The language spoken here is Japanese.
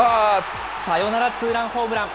サヨナラツーランホームラン。